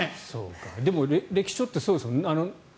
でも歴史書ってそうですもんね。